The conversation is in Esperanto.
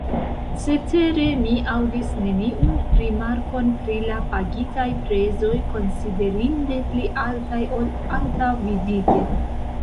Cetere, mi aŭdis neniun rimarkon pri la pagitaj prezoj, konsiderinde pli altaj ol antaŭvidite.